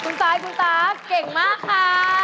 คุณสายคุณตั๊กเก่งมากค่ะ